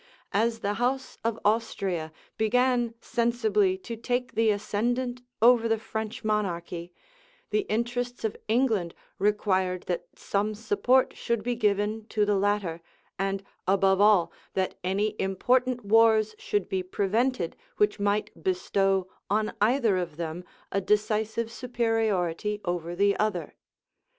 As the house of Austria began sensibly to take the ascendant over the French monarchy, the interests of England required that some support should be given to the latter, and, above all, that any important wars should be prevented which might bestow on either of them a decisive superiority over the other.